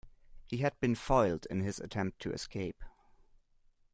He had been foiled in his attempt to escape.